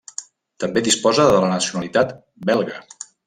També disposa de la nacionalitat belga.